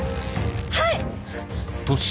はい！